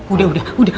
udah udah udah